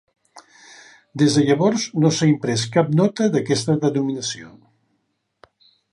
Des de llavors no s'ha imprès cap nota d'aquesta denominació.